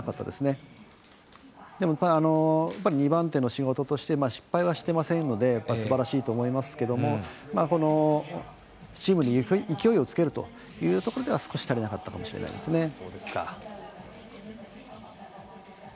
でも、２番手の仕事として失敗はしてませんのですばらしいと思いますけどもこのチームに勢いをつけるというところでは少し足りなかったかもしれないですね。